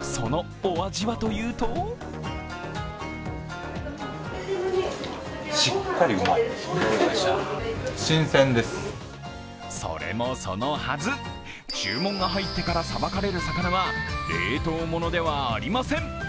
そのお味はというとそれもそのはず、注文が入ってからさばかれるお魚は冷凍ものではありません。